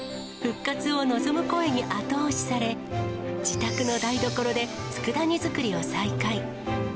復活を望む声に後押しされ、自宅の台所でつくだ煮作りを再開。